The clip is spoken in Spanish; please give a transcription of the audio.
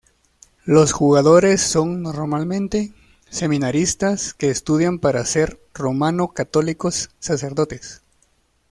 Los jugadores son normalmente seminaristas que estudian para ser romano católicos sacerdotes.